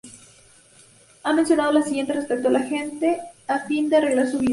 Ha mencionado lo siguiente respecto a su agente a fin de arreglar su vida.